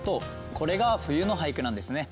これが冬の俳句なんですね。